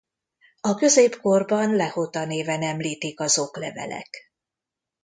A középkorban Lehota néven említik az oklevelek.